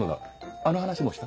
あの話もうした？